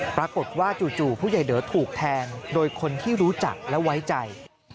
ปรากฏว่าจู่ผู้ใหญ่เดอถูกแทงโดยคนที่รู้จักและไว้ใจ